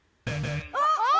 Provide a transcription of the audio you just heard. あっ！